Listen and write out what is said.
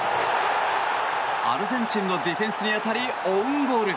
アルゼンチンのディフェンスに当たりオウンゴール。